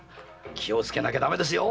気をつけなきゃ駄目ですよ。